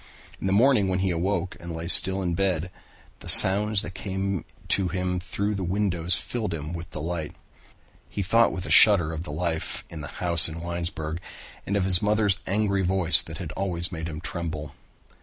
In the morning when he awoke and lay still in bed, the sounds that came in to him through the windows filled him with delight. He thought with a shudder of the life in the house in Winesburg and of his mother's angry voice that had always made him tremble.